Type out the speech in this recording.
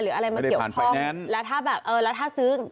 อะไรมาเกี่ยวข้องแล้วถ้าแบบเออแล้วถ้าซื้อ